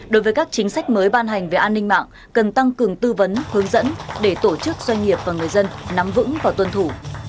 đối với các chính sách mới ban hành về an ninh mạng cần tăng cường tư vấn hướng dẫn để tổ chức doanh nghiệp và người dân nắm vững và tuân thủ